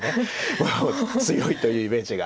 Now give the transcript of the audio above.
もう強いというイメージが。